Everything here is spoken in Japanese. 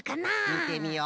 みてみよう。